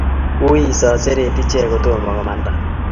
Wui isaiseret ichek kotoma komanda